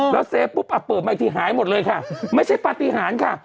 แล้วเซฟปุ๊บเปิดมาอีกทีหายหมดเลยค่ะไม่ใช่ปฏิหารค่ะ